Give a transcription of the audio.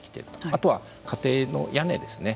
あとは家庭の屋根ですね